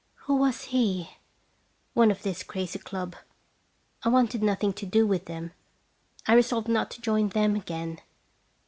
Who was he ? One of this crazy club. I wanted nothing to do with them. I resolved not to join them again.